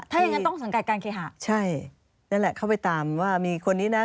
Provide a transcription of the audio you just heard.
ถ้าอย่างงั้นต้องสังกัดการเคหะใช่นั่นแหละเข้าไปตามว่ามีคนนี้นะ